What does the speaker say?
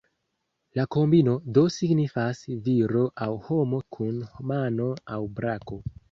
La kombino do signifas "Viro aŭ homo kun mano aŭ brako".